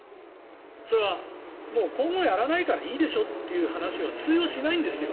それは、今後やらないからいいでしょっていう話は通用しないんですよ